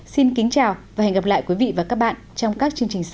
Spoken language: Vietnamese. xin kính chào và hẹn gặp lại quý vị và các bạn trong các chương trình sau